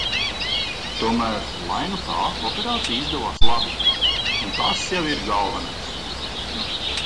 Tomēr lai nu kā, operācija izdevās labi un tas jau ir galvenais.